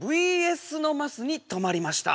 「ＶＳ」のマスに止まりました。